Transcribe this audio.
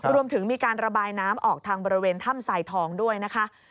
รวมถึงมีการระบายน้ำออกทางบริเวณถ้ำสายทองด้วยนะคะ